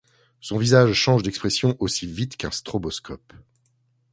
Son visage change d’expression aussi vite qu’un stroboscope.